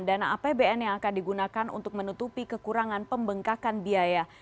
dana apbn yang akan digunakan untuk menutupi kekurangan pembengkakan biaya